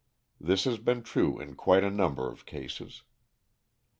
This has been true in quite a number of cases.